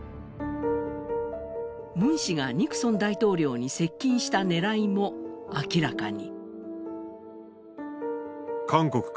ムン氏がニクソン大統領に接近した狙いも明らかに。